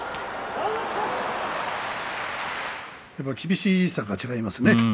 やっぱり厳しさが違いますね